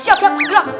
siap siap siap